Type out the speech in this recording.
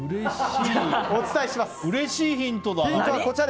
うれしいヒントだな。